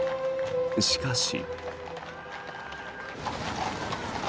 しかし。